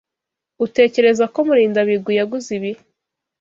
Utekereza ko Murindabigwi yaguze ibi?